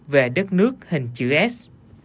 về đất nước hình chữ s